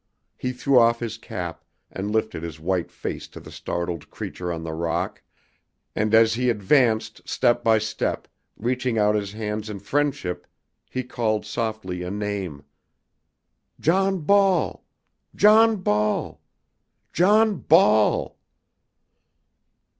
He threw off his cap and lifted his white face to the startled creature on the rock, and as he advanced step by step, reaching out his hands in friendship, he called softly a name: "John Ball, John Ball, John Ball!"